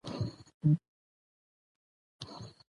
او تاسې له ناهيلۍ